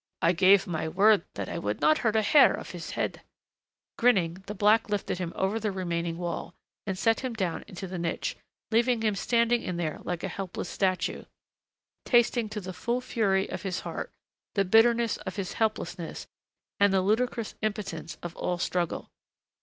"I gave my word that I would not hurt a hair of his head " Grinning, the black lifted him over the remaining wall, and set him down into the niche, leaving him standing in there like a helpless statue, tasting to the full fury of his heart the bitterness of his helplessness and the ludicrous impotence of all struggle.